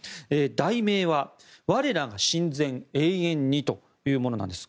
題名は「我らが親善永遠に」というものです。